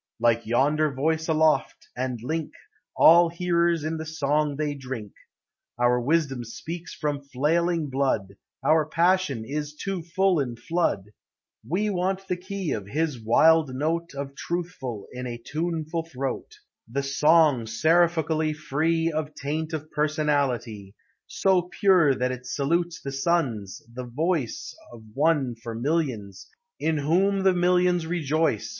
Like yonder voice aloft, and link All hearers in the song they drink : Our wisdom speaks from failing blood Our passion is too full in flood, ,We want the key of his wild note Of truthful in a tuneful throat, The song seraphically free Of taint of personality, So pun* that it salutes the suns The voice of one for millions. In whom the millions rejoice.